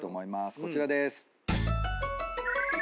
こちらでーす。